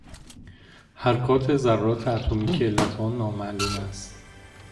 حرکات ذرات اتمی که علت آن نامعلوم است